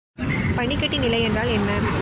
பனிக்கட்டிநிலை என்றால் என்ன?